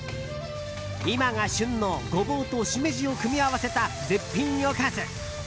今が旬のゴボウとシメジを組み合わせた絶品おかず。